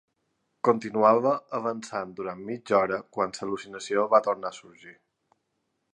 Continuava avançant durant mitja hora qual l'al·lucinació va tornar a sorgir.